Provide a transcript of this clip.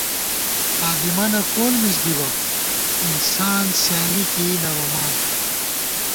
ہادِمَنہ کول مِز دِبہ ، انسان سیالی کېئی نَہ بَمان